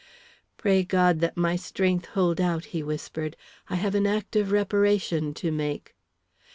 "Pray God that my strength hold out," he whispered. "I have an act of reparation to make."